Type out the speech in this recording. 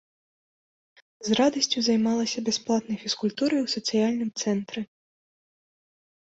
З радасцю займалася бясплатнай фізкультурай у сацыяльным цэнтры.